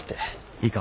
いいか？